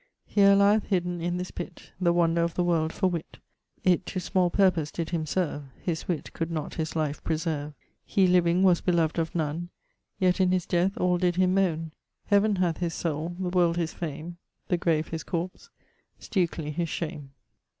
_ Here lieth, hidden in this pitt, The wonder of the world for witt. It to small purpose did him serve; His witt could not his life preserve. Hee living was belov'd of none, Yet in his death all did him moane[LXXV.]. Heaven hath his soule, the world his fame, The grave his corps, Stukley his shame.